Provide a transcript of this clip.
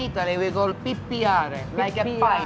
di italia kami mengatakan pipiare